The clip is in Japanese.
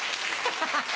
ハハハハ！